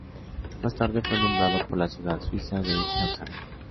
Más tarde fue nombrado por la ciudad suiza de Lausana.